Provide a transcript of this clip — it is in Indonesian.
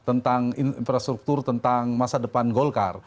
tentang infrastruktur tentang masa depan golkar